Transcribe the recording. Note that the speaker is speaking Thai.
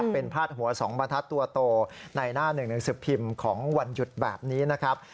เป็นภาษาหัวสองบรรทัดตัวโตในหน้า๑๑๐พิมพ์ของวันหยุดแบบนี้นะครับ